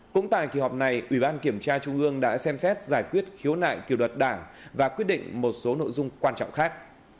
cũng tại kỳ họp này ủy ban kiểm tra trung ương đã xem xét giải quyết khiếu nại kiều đoạt đảng và quyết định một số nội dung quan trọng khác